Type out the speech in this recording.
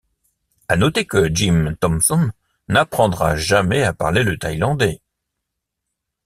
À noter que Jim Thompson n'apprendra jamais à parler le thaïlandais.